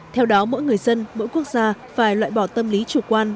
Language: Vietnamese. theo đó mỗi người dân mỗi quốc gia phải loại bỏ tâm lý chủ quan